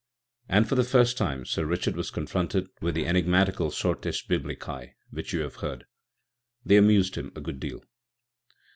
And for the first time Sir Richard was confronted with the enigmatical Sortes Biblicæ which you have heard. They amused him a good deal.